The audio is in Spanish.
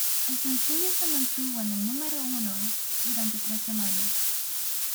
El sencillo se mantuvo en el número uno durante tres semanas.